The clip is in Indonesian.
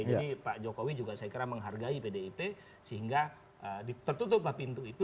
jadi pak jokowi juga saya kira menghargai pdip sehingga tertutuplah pintu itu